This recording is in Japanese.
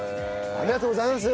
ありがとうございます！